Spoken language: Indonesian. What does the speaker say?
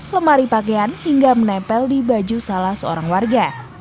lemari pakaian hingga menempel di baju salah seorang warga